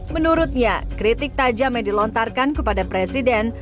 menurutnya kritik tajam yang dilontarkan kepada presiden